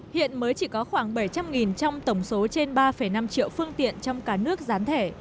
hiện mới chỉ có khoảng bảy trăm linh trong tổng số trên ba năm triệu phương tiện trong cả nước gián thẻ